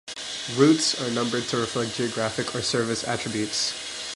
Routes are numbered to reflect geographic or service attributes.